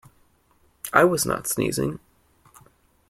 I was not sneezing.